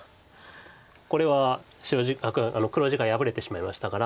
これは黒地が破れてしまいましたから。